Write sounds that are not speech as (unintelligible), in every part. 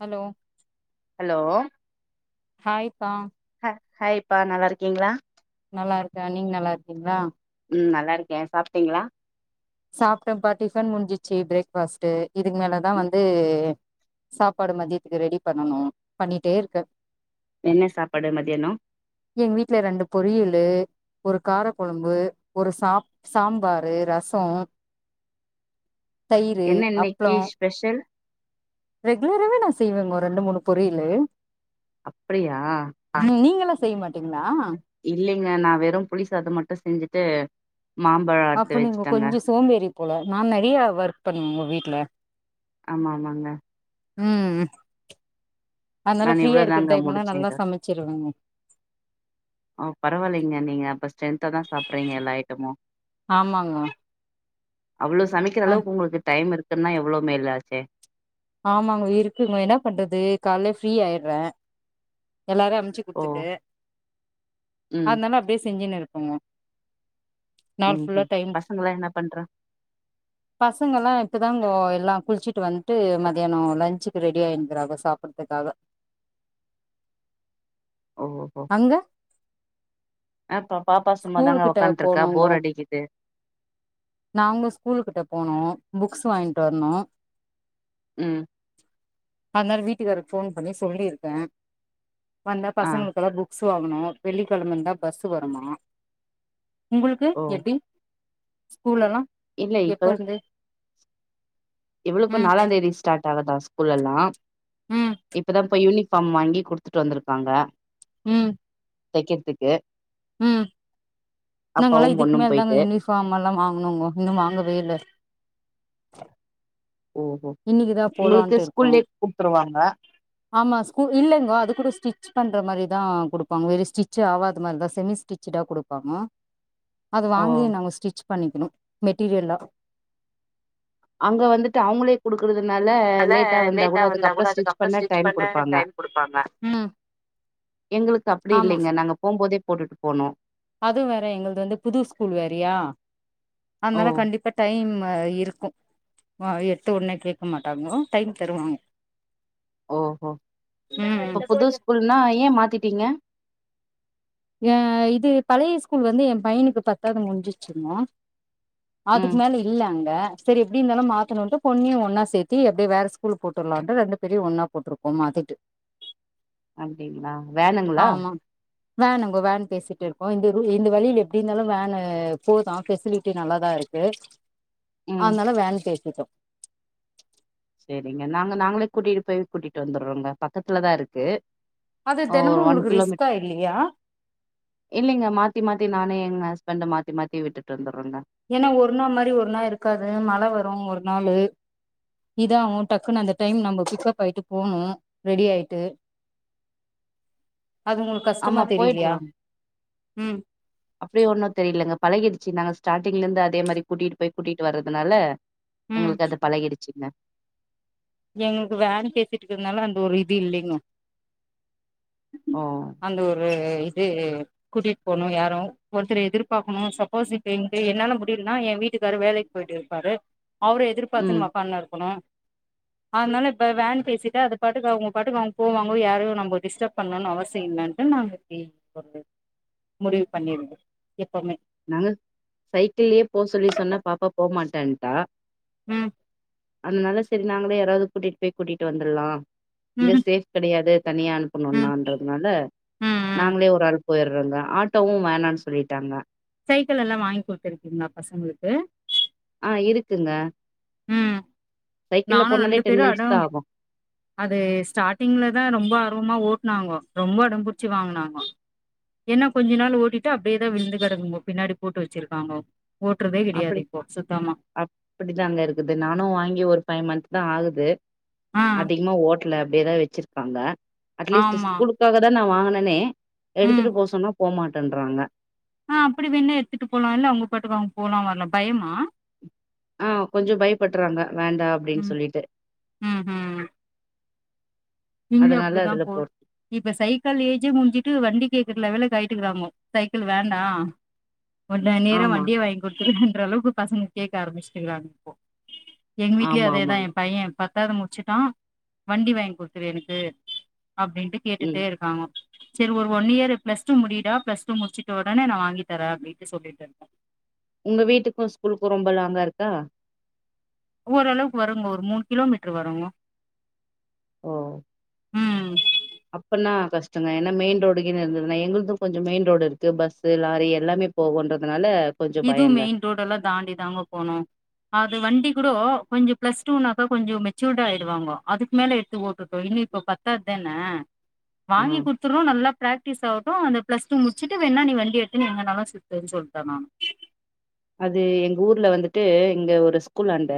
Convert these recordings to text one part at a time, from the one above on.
Hello hello hi பா ஹ ஹாய்ப்பா நல்லா இருக்கீங்களா நல்லா இருக்க நீங்க நல்லா இருக்கீங்களா உம் நல்லா இருக்கேன் சாப்பிட்டீங்களா சாப்பிட்டம்ப்பா டிஃபன் முடிஞ்சிச்சு பிரேக் பாஸ்டு இதுக்கு மேல தான் ம், வந்து சாப்பாடு மதியத்துக்கு ரெடி பண்ணணு பண்ணிட்டே இருக்க என்ன சாப்பாடு மதியானோ எங்க வீட்டல ரெண்டு பொரியலு ஒரு காரக்குழம்பு ஒரு சாப் சாம்பாரு ரசம் சோ தயிறு என்ன இன்னைக்கு அப்புலோம் ஸ்பெஷல் ரெகுலராவே நான் செய்வேங்க ரெண்டு மூணு பொரியலு அப்படியா செய் மாட்டீங்களா இல்லைங்க நான் வெறும் புலி சாதம் அதை மட்டும் செஞ்ஜி ட்டு அப்போ நீங்க கொஞ்சா சோம்பேறி போல நான் நிறைய ஒர்க் பண்ணுவே உங்க வீட்டுல ஆமா ஆமாங்க உம் நான் இவ்வளவுதாங்க முடிச்சேன் இதோ. சமைச்சிருவேங்க பரவாயலைங்க நீங்க ஸ்ட்ரென்த்தா தான் சாப்பறீங்க எல்லா ஐயிட்டமும் ஆமாங்க அவ்வளவு சமைக்கிற ஆ அளக்கு உங்களுக்கு டைம் இருக்கு இதுன எவ்வளவோ மேலாச்சே ஆமாங்க இருக்குங்க என்ன பண்றது காலே ஃப்ரீ ஆயிடுறேன் எல்லாரும் அனுமுச்சு ஓ குடுத்துட்டு ம் அதனால அப்படியே செஞ்சின இரு ஆமா ம் நாள்புள்ள ம் டை பசங்கல்லா என்ன பண்றா பசங்கல்லாம் இப்பதான்ங்க ல்லாம் குளிச்சிட்டு வந்துட்டு ஏானேலஞ்சுக்கு ரெடி ஆயிருக்கிறாங்க சாப்படுறதுக்காக ஓ ஓ அங்க ஆ பா- பாப்பா ஸ்கூலு சும்மாதாங்க கிட்ட உக்கான்ட்ருக்கா போனேங்கு போர் அடிக்குது நாங்க ஸ்கூலு கிட்ட போனோம் புக்ஸ் வாங்கிட்டு வரணும் உம் அதனரி வீட்டுக்காரருக்கு போன் பண்ணி சொல்லிருக்கேன் வந்த ஆ பசங்களுக்கு பக்ஸ் வாங்கணும் வெள்ளிக்கிழம்ப இருந்தா பஸ் வரமாம் உங்களுக்கு ஓ எப்படி ஸ்கூலெல்லாம் எப்ப இருந்து எவ்வளோப்ப ம் நாலாம் தேதி ஸ்டார்ட் தான்ப ஸ்கூல்ல எல்லாம் ம் இப்பதான் இப்ப யூனிஃபார்ம் வாங்கி குடுத்துட்டு வந்திருக்காங்க உம் தைக்கிறதுக்கு உம் அப்பாவு நாங்கல்லாம் இதுக்கு பொண்ணும் மேல தாங்க போயிட்டு யூனிஃபார்ம் எல்லாம் வாங்கனுங்கோ இன்னும் வாங்கவே இல்லை ஓஹோ இன்னைக்குதா உங்களுக்கு போலான்ட்டு இருக்கோ ஸ்கூல்ல கொடுத்துருவாங்க அ ஆமா ஸ்கூ இல்லைங்கோ அது கூட ஸ்டிச் பண்ற மாதிரிதான் குடுப்பாங்க வெற ஸ்டிச்சு ஆவாத மாதிரிதான் செமி ஸ்டிச்சடா குடுப்பாங்க அது ஓ வாங்கி நாங்க ஸ்டிச் பண்ணிக்கணும் மெட்டீரியல்லா அங்க வந்துட்டு அவங்களே குடுக்குறது னால லேட்டா வந்தா கூட அதுக்கப்புறம் ஸ்டிச் பண்ண டைம் கொடுப்பாங் க எங்களுக்கு அப்படி இல்லைங்க நாங்க போகும்போதே போட்டுட்டு போனும் அதுவும் வேற எங்கது வந்து புது ஸ்கூல் வேறயா ஓ அதால கண்டிப்பா டைம் இருக்கும் எட்டு ஒடே கேட்க மாட்டாங்கோ டைம் தருவாங்க ஓஹோ இப்ப புது ம் ஸ்கூல்னா ஏன் மாத்திட்டீங்க அ இது பழைய ஸ்கூல் வந்து என் பையனுக்கு பத்தாவது முஞ்சிச்சிருந்துமோ ம் அதுக்கு மேல இல்லலைங் சரி எப்படி இருந்தாலும் மாத்தும் பொன்னியும் ஒன்னா சேத்தி எப்படியே வேற ஸ்கூல் போட்டுலாம் ரெண்டு பேரையும் ஒன்னா போட்டிருக்கோம் மாத்திட்டு அப்படிங்களா வேணுங்களா வேன் அங்க வேன் பேசிட்டு இருக்கோம் இந்த இந்த வழியில எப்படி இருந்தாலும் வேனு போதான் பெசிலிட்டி நல்லாாதான் இருக்கு ம் அதனால வேண பேச் இருக்கோ சேரிங்க நாங்க நாங்களே கூட்டிட்டு போயி கூட்டிட்டு வந்துறோங்க பக்கத்துலதாயிருக்கு அது தெனமு ஒரு ஒன் உங்களுக்கு கிலோமீட் ரிஸ்கா இல்லையா இல்லைங்க மாத்தி மாத்தி நானே எங்க ஹச் பண்டோ மாத்தி மாத்தி விட்டுட்டு வந்துறோங்க ஏன்னா ஒரு நாள் மாரி ஒரு நாளுயிருக்காது மழ வரோ ஒரு நாளு இதாவோ டக்குன்னு அந்த டைம் நம்ப பிக்கப் ஆயிட்டு போனோ ரெடியாயிட்டு அது உங்களுக்கு ஆமா கஷ்டமா தெரியலியா போயிட்டுறோம் உம் அப்டி ஒன்னோ தெரியலங்க பழகிடுச்சு நாங்க ஸ்டார்ட்டிங்லயிருந்து அதே மாரி கூட்டிட்டு போய் கூட்டிட்டு வரதுனால ம் எங்களுக்கு அது பழகிடுச்சுங்க எங்களுக்கு வேன் பேசிட்டுக்குறதுனால அந்த ஒரு இதுயில்லைங்க ஓ அந்த ஒரு இது கூட்டிட்டு போணோ யாரோ ஒருத்தர எதிர்பார்க்கணோ சப்போஸ் இப்ப இங்க என்னால முடியலன்னா என் வீட்டுக்காரு வேலைக்கு போயிட்டுயிருப்பாரு அவர ம் எதிர்பார்த்துன்னு ஒக்கான்னுயிருக்கணோ அதனால இப்ப வேன் பேசிட்டா அது பாட்டுக்கு அவங்க பாட்டுக்கு அவங்க போவாங்க யாரையோ நம்ம டிஸ்டர்ப் பண்ணணோம்னு அவசியோ இல்லன்டு நாங்க இப்டி ஒரு முடிவு பண்ணிருந்தோ எப்பவுமே நாங்க சைக்கிள்லயே போக சொல்லி சொன்னா பாப்பா போமாட்டேன்டா ஹும் அதனால செரி நாங்களே யாராவது கூட்டிட்டு போய் கூட்டிட்டு வந்துடலா இங்க ம் சேஃப் கெடையாது தனியா ம் அனுப்பணோம்னான்றதுனால ம் ம் நாங்களே ஒரு ஆளு போயிடுறோங்க ஆட்டோவோ வேணான்னு சொல்லிட்டாங்க சைக்கிள்யெல்லா வாங்கி குடுத்திருக்கீங்களா பசங்களுக்கு ஆஹ் இருக்குங்க உம் சைக்கிள்ல நானோ போனாலே ரெண்டு டென் பேரோ அடோ மினிட்ஸ் தா ஆகு அது ஸ்டார்டிங்லதா ரொம்ப ஆர்வமா ஓட் னாங்கோ ரொம்ப அடோபுடிச்சு வாங்குனாங்கோ ஏன்னா கொஞ்ச நாள் ஓட்டிட்டு அப்டியேதா விழுந்து கெடந்துது பின்னாடி போட்டு வெச்சிருக்காங்கோ அப்டி அப்டிதாங்கயிருக்குது நானோ வாங்கி ஒரு ஃபைவ் மந்த்துதா ஆகுது ஆ அதிகமா ஓட் ல அப்டியேதா வெச்சிருக்காங்க அட்லீஸ்ட் ஆமா ஸ்கூலுக்காகதா நா வாங்குனே னே எடுத்துட்டு போ சொன்னா போமாட்டின்றாங்க ஆஹ் அப்டி வெண்ணா எத்துட்டு போலால்ல அவங்க பாட்டுக்கு அவங்க போலா வரலா பயமா ஆஹ் கொஞ்சோ பயப்படுறாங்க வேண்டா அப்டின்னு ம் சொல்லிட்டு ம் ம் இங்க அதனால அப்டிதா அதுல போ போட் இப்ப சைக்கிள் ஏஜே முடிஞ்சிட்டு வண்டி கேட்குல எவ்ளோ கயிக்குறாங்கோ சைக்கிள் வேண்டாம் கொஞ்ச நேரம் ஆமா வண்டிய வாங்கி கொடுத்து அ அளவுக்கு பசங்க கேட்க ஆரம்பிச்சிட்டுக்குறாங்க இப்போ எங்கவீட்லேயயும் ஆமா அதேதான் ஆமாங்க என் பையன் ப எட்டாவதுமுடிச்சுட்டடா வண்டி வாங்கி குடு எனக்கு அப்டின்ட்டு ம் கேட்டுட்டே இருக்காங்க செரி ஒரு ஒன் இயர் பிளஸ் டூ முடியடா பிளஸ் டூ முடிச்சுட்ட உடனே நான வாங்கி தரேன் அப்படின்னு சொல்லிட்டேன் உங்க வீட்டுக்கும் ஸ்கூலுக்கும் ரொம்ப லாங்கா இருக்கா ஓரளவுக்கு வருங்கோ ஒரு மூணு கிலோமீட்ரு வரும்ங்கோ ஓ அப்னா கஷ்டங்க தான் ஏனா மெயின் ரோடுக்குன்னு இருந்ததுன்னா எங்களுக்கும் கொஞ்சம் மெயின் ரோடு இருக்கு பஸ்சு லாரி எல்லாமே போகுன்றதுனால கொஞ்சோ இதுவும் பயங்க மெயின் ரோடெல்லாம் தாண்டி தாங்க போனோம் அது வண்டி கூட கொஞ்சம் பிளஸ் டூனாக்கா கொஞ்சம் மெச்சூர்ட ஆடுவாங்க அதுக்கு மேல எடுத்து போட்டுட்டோம் இன்னும் இப்ப பத்தாதது தானே ஆ வாங்கி குடுத்துருவோம் நல்லா பிராக்டிஸ் ஆவட் அந்த பிளஸ்டூ முடிச்சுட்டு வேணா நீ வண்டி எடுத்து எங்கனாலா சுத்துன்னு சொல்லிட்டே நானு அது எங்க ஊர்ல வந்துட்டு இங்க ஒரு ஸ்கூல் ஆண்ட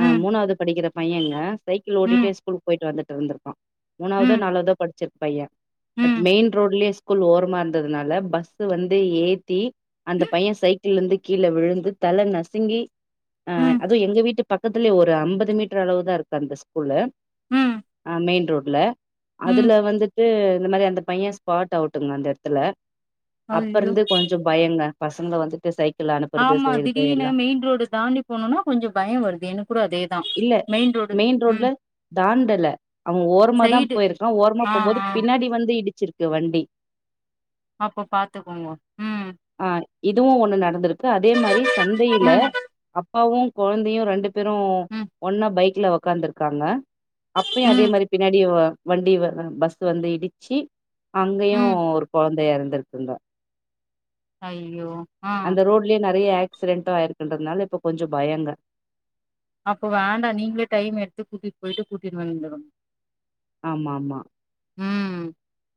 ஆ ம் மூணாவது படிக்கிற பையன்ங்க சைக்கிள் ஓடிட்டு ம் ஸ்கூலுக்கு போயிட்டு வந்துட்டு இருந்திருப்பான் மூணாவதோ ம் நாலாவதோ படிச்சிருக் பையா பட் ம் மெயின் ரோட்லயேஸ்கூல் ஓர்மா இரு அதனால பஸ் வந்து ஏத்தி அந்த பையன் சைக்கிள் இருந்து கீழ விழுந்து தலை நசுங்கி அஹ் ம் அதுவும் எங்க வீட்டு பக்கத்து த்துல ஒரு ஐம்பது மீட்டர் அளவு தான் இருக்கு அந்தஸ்கூலு ம் ஆ மெயின் ரோட்டு துல ம் அதுல வந்துட்டு இந்த மாரிஅந்தபையன் ஸ்பாட் அவுட்டுங்க அந்த இடத்துல ஐயோ அப்பருந்து கொஞ்சோ பயங்க பசங்க வந்துட்டு சை அனுப்பறது ஆமா செய்து திடீர்னு எல்லாம் மெயின் ரோடு தாண்டி போனோம்னா கொஞ்சோ பயோ வருது எனக்கு கூட அதேதா இல்ல ரோடு மெயின் ரோட்ல ம் தாண்டல அவன் ஓரமா தான் சைடு போயிருக்கான் ஓரமா ஆ போகும்போது ஆ பின்னாடி வந்து இடிச்சிருக்கு க்கு வண்டி அப்போ பாத்துக்கோங்கோ உம் இதுவும் ஒண்ணு நடந்துருக்கு அதே மாதிரி சந்தயில ம் அப்பாவும் கொழந்தயும் ரெண்டு பெற ம் ஒன்ன பைக் வீட்டுல உக்காந்துருக்காங்க அப்பயும் அதே ம் மாதிரி பின்னாடி வண்டி வ பஸ் வந்து இடிச்சி அங்கயும் ம் ஒரு குழந்த இறந்திருக்கு அய்யோ ஆஹ் ரோட்லயே நெறைய ஆக்சிடென்டும் ஆயிருக்குன்றதுனால இப்ப கொஞ்சம் பயங்க அப்போ வேண்டாம் நீங்களே டைம் எடுத்து கூட்டிட்டு போயிட்டு கூட்டிட்டு வந்துடனும் ஆமா ஆமா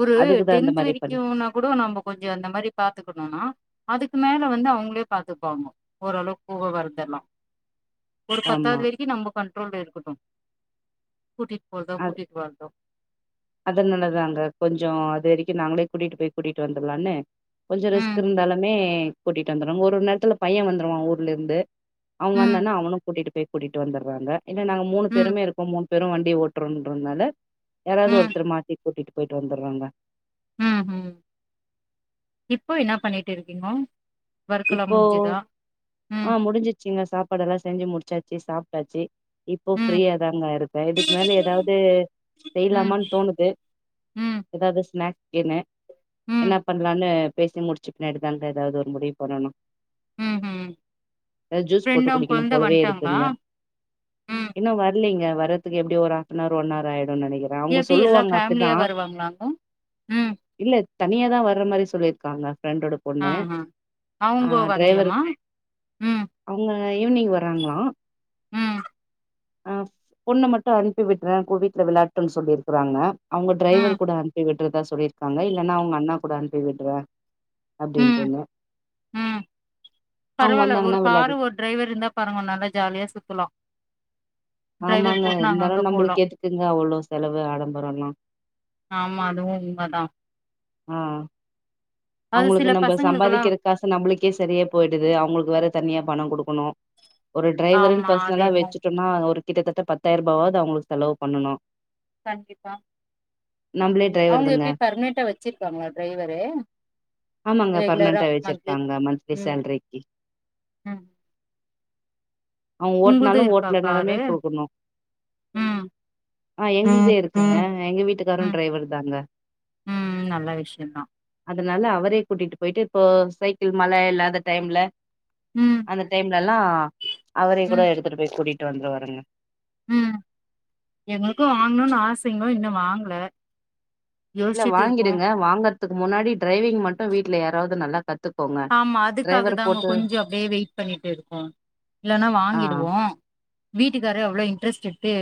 ஒரு அதுக்குதா இந்த டென்த் மாரி பண்ணி வரைக்கும்னா கூட நம்ம கொஞ்சம் அந்த மாரி பாத்துக்கணும்னா அதுக்கு மேல வந்து அவங்களே பாத்துப்பாங்க ஓரளவுக்கு கூட வருரதெல்லாம் ஒரு ஆமா பத்தாவது வரைக்கும் நம்ம கண்ட்ரோல இருக்கட்டும் கூட்டிட்டு போறதோ கூட்டிட்டு வாறதோ அதனல்லதாங்க கொஞ்சம் அது வரக்கும் நாங்களே கூட்டிகிட்டு போய் கூட்டிட்டு வந்துடலான்னு கொஞ்சம் ரிஸ்க் ம் இருந்தாலுமே கூட்டிட்டு வந்துருவங்க ஒரு நேரத்துல பையன் வந்துருவான் ஊர்லருந்து அவங்க ம் வந்தானா அவனும் கூட்டிட்டு போய் கூட்டிகிட்டு வந்துடுவாங்க இல்ல நாங்க மூணு ம் பேருமே இருக்கோம் மூண பேரும் வண்டி ஓட்டு னால யாராவது ம் ஒரு கூட்டிட்டு போயிட்டு வந்துடுறாங்க ஹம் ஹம் இப்போ என்ன பண்ணிட்டு இருக்கீங்கோ ஒர்க்லாம் இப்போ முடிஞ்சுதா? ஆ ம், முடிஞ்சிச்சீங்க சாப்பாடு எல்லாம் செஞ்சு முடிச்சாச்ச சாப்ட்டாச்சி இப்போ ம், ஃப்ரீயா தாங்க இருப்பேன் இதுக்கு மேல ஏதாவது ம், செய்யலாமான்னு தோணுது ம், ஏதாவது ஸ்நாக்ஸ் என்ன என்ன ம், பண்ணலான்னு பேசி முடிச்சுின்னாட்டுதாங்க ஏதாவது ஒரு முடிவு பண்னணு ம்ஹ்ம். ஏதாவது ஜூஸ் ஃப்ரெண்ட் போட்டு அவுங்க குடிக்கணும் குழந்த போலவே வந்ட்டாங்களா? இருக்குல்ல ம். இன்னும் வரலைங்க வரதுக்கு எப்படி ஒரு ஆப்நவர் ஒன் அவர் ஆயும் நெனைக்கிறேன் அவங்க எப்டி எல்லா சொல்லுவாங்க ஃபேமிலியா அப்டிதான் வருவாங்களாங்கோ? ம். இல்ல தனியா தான் வர்ற மாரி சொல்லியிருக்காங்க ஃப்ரெண்டோட பொண்ணு ஆஹா. அவுங்கோ ஆஹ டிரைவர்ரு வரலையாம்மா? ம், அவங்க ஈவினிங் வறாங்களா ம், ஆஹ் பொண்ண மட்டும் அனுப்பி விட்டுறேன் வீட்டுல விளாட்டுன்னு சொல்லிிருக்கறாங்க அவங்க ம், டிரைவர் கூட அனுபிவிட்டுறது சொல்லிருக்காங்க இல்லனா அவங்க அண்ணா கூட அனுப்பி விடுற அப்படின்ின்றன்ன பரவாயில்ல ஒரு வந்தாங்கன்னா விளாடி காரு ஒரு டிரைவர் இருந்தா பாருங்க நல்லா ஜாலியா சுத்துலாம் ஆமாங்க இருந்தாலும் நம்மளுக்கு போலாம். ஏத்துக்குங்க அவ்வளவு செலவு ஆடம்பரம்ல்லாம் ஆமா, அதுவும் உண்மதான். ஆஹ் அது அவங்களுக்கு சில நம்ம பசங்களுக்கெல்லாம் சம்பாதிக்கிறதுக்காசு நம்மளுக்கே சரியே போயி து அவங்களுக்கு வேற தனியா பணம் கொடுக்கணும் ஒரு டிரைவருன்னு ஆமா, அது பர்சனலா என்னமோ வச்சுட்டோம்னா ஒரு கிட்டத்தட்ட பத்தாயிரம் ரூபாவது அவங்களுக்கு செலவு பண்ணணும் கண்டிப்பா டிரைவர் அவங்க தாங்க எப்படி பர்மனடா வச்சிருக்காங்க டிரைவரு ஆமாங்க ரெகுலரா பர்மனன்டா மந்த்லி வச்சிருக்காங்க மந்த்லி சேல்ரிக்கு உம்ம் அவங்க ஓட்டுனாலும் இருக்கா ஓட்டுலனுமே காரு கொடுக்கனு ம் ஆஹ் எங்கிட்டே இருக்குங்க எங்க வீட்டுக்காரும் ம் டிரைவர்த்தங்க ம் நல்ல விஷயந்தா அதுனால அவரே கூட்டிட்டு போயிட்டு இப்போ சைக்கிள் மல இல்லாத டைம்ல ம் அந்த டைம்ல ல்லாம் அவரே கூட எடுத்துடு போய் ட்டு வந்து வருங்க உம் எங்களுக்கும் வாங்கணும்னு ஆசைங்க இன்னும் வாங்கல இல்ல யோசிச்சுட்டு இருக்கோ வாங்கிடுங்க வாங்கற க்கு முன்னாடி டிரரைவிங் மட்டும் வீட்டல யாராவது நல்லா கத்து ஆமா அதுக்காக தான் அங்க கொஞ்சம் அப்படியே வெயிட் பண்ணிட்டு இருக்கோம் இல்லன்னா ஆ வாங்கிடுவோம் வீட்டுக்காரு அவ்வளவு இன்ட்ரெஸ்ட் எடுத்து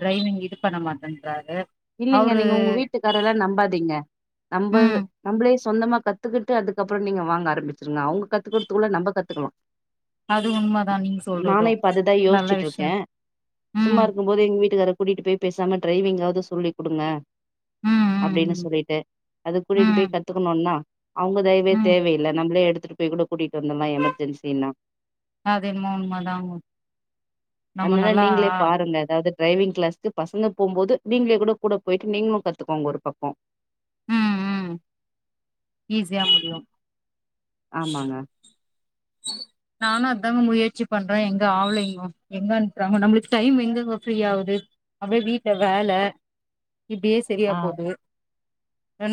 டிரரைவிங் இது பண்ண மாட்டேன்றாரு இல்லலைங்க அவரு நீங்க உங்க வீட்டுக்கார எல்லாம் நம்பாதீங்க நம்ம ம் நம்மளே சொந்தமாக கற்றுக்கிட்டு அதுக்கப்புறம் நீங்கள் வாங்க ஆரம்பிச்சுடுங்க அவங்க கற்றுக்கறிறதுக்குள்ள நம்ம கற்றுக்கலாம் அது உண்மதா நீங்க சொல்றது நானும் இப்ப அதுதான் நல்ல யோசிச்சுட்டு விஷயோ இருக்கேன் சும்மா ம் இருக்கும்போது எங்க வீட்டுக்கார கூட்டிட்டு போய்சாம டரைவிங்காவது சொல்லி கொடுங்க ம் அப்படின்னு ம் சொல்லிட்டு அது கூட்டிட்டு ம் போய் ம் கத்துக்கணும்னா அவுங்க தயவே ம் தேவையில்ல நம்மளே எடுத்து (unintelligible) கூட்டிட்டு வந்தோனா எமர்ஜென்சினா அது என்னமோ உண்மதாங்க நம்ம அதனால நல்லா நீங்களே பாருங்க அதாவது டிரைவிங் க்ளாஸ்கு பசங்க போம்போது நீங்களே கூட கூட போயிட்டு நீங்களும் கத்துக்கோங்க ஒரு பக்கோம் ஈசியா முடியும் ஆமாங்க நானும் அதாங்க முயற்சி பண்றேன் எங்க ஆவலங்க எங்க அனுப்றாங்க நம்மளுக்கு டைம் எங்கங்க ஃப்ரீ ஆவுது அப்டியே வீட்டுல வேல இப்டியே சரியா ஆ போது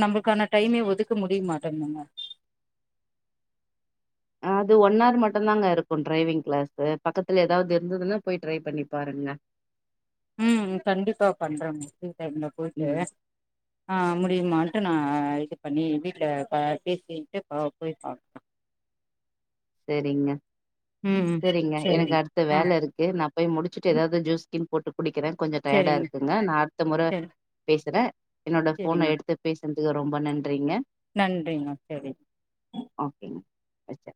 நம்மளுக்கான டைமே ஒதுக்க முடிய மாட்டேங்குது நங்க அது ஒன் ஆர் மட்டுதாங்க இருக்கும் டிரைவிங் கிளாஸ் பக்கத்துல ஏதாவது இருந்ததுன்னா போயி ட்ரை பண்ணி பாருங்க ம் கண்டிப்பா பண்றேன் ஃப்ரீ டைம்ல போயிட்டு ம் ஆ தெரியுமான்ட்டு நான இது பண்ணி வீட்ல செரிங்க ம் ம் செரிங்க எனக்கு சரிங்க அடுத்த ஆ வேல இருக்கு நான போய் முடிச்சுட்டு ஏதாவது ஜூஸ்கீனு போட்டு குடிக்கிறேன் கொஞ்சோம் டயர்டா சரிங்க இருக்குங்க நான் அடுத்த மொறை சரி பேசுறேன் என்னோட போன சரிங்க எடுத்து பேசுங்க ரொம்ப நன்றிங்க நன்றிங்க சரி அா